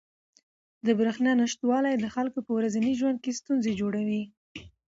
د بریښنا نشتوالی د خلکو په ورځني ژوند کې ستونزې جوړوي.